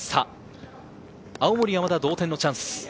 青森山田は同点のチャンス。